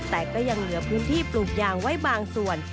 แต่ก็ยังเหลือพื้นที่ปลูกยางไว้บางส่วน